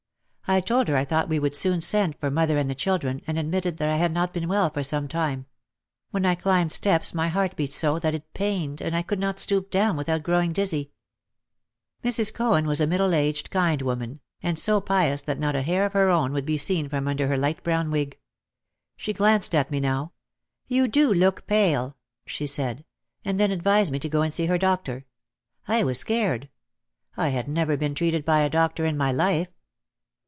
I told her I thought we would soon send for mother and the children and admitted that I had not been well for some time; when I climbed steps my heart beat so that it pained and I could not stoop down without grow ing dizzy. Mrs. Cohen was a middle aged, kind woman, and so pious that not a hair of her own could be seen from under her light brown wig. She glanced at me now. "You do look pale," she said, and then advised me to go and see her doctor. I was scared. I had never been treated by a doctor in my life.